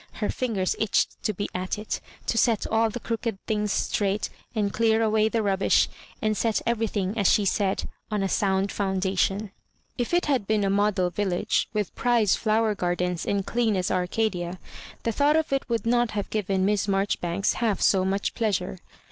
Her fingers itched to be at it — to set all the crooked things straight and dear away the rubbish, and set everything, as she said, on a sound foundation. K it had been a model village, with prize fiower gardens and dean as Arcadia, the thought of it would not have given Miss Marjoribanks half so much pleasure.